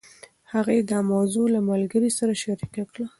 هغې دا موضوع له ملګرې سره شريکه کړه.